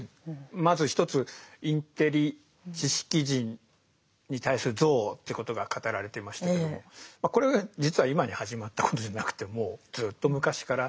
まず一つインテリ知識人に対する憎悪ってことが語られてましたけどもまあこれ実は今に始まったことじゃなくてもうずっと昔から。